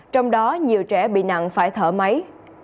trong đó nhiều trẻ bị nặng phải thở máy